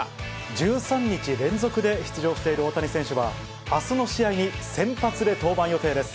１３日連続で出場している大谷選手は、あすの試合に先発で登板予定です。